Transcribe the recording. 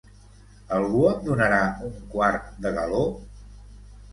Algú em donarà un quart de galó?